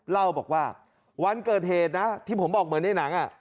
เล่าบอกว่าวันเกิดเหตุนะที่ผมบอกเหมือนในหนัง